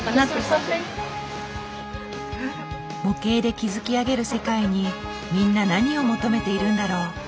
模型で築き上げる世界にみんな何を求めているんだろう。